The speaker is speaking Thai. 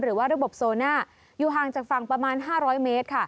หรือว่าระบบโซน่าอยู่ห่างจากฝั่งประมาณ๕๐๐เมตรค่ะ